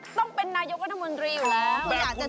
ต้องเป็นนายกรัฐมนตรีอยู่แล้ว